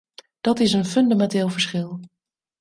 Dat is een fundamenteel verschil.